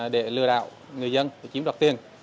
để lừa đảo người dân chiếm đoạt tiền